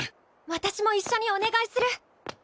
私も一緒にお願いする。